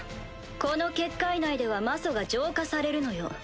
この結界内では魔素が浄化されるのよ。